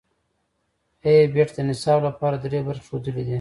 ای بیټ د نصاب لپاره درې برخې ښودلې دي.